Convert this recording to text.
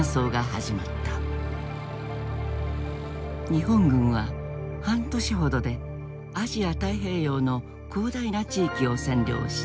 日本軍は半年ほどでアジア太平洋の広大な地域を占領した。